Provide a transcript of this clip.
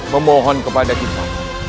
memohon kepada kita